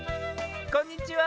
こんにちは。